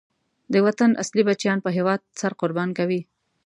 د وطن اصلی بچیان په هېواد سر قربان کوي.